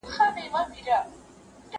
مجرمان ولې د قانون درناوی نه کوي؟